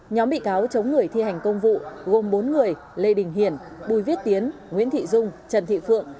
nhóm bị cáo chống người thi hành công vụ gồm bốn người lê đình hiển bùi viết tiến nguyễn thị dung trần thị phượng